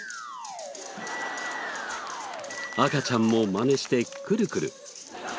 赤ちゃんもまねしてクルクル。